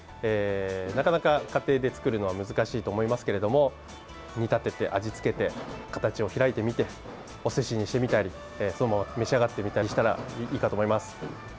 なかなか家庭で作るのは難しいと思いますけども煮立てて味付けて形を開いてみておすしにしてみたりそのまま召し上がってみたりしたらいいと思います。